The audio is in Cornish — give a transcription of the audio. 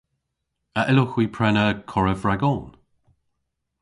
A yllowgh hwi prena korev ragon?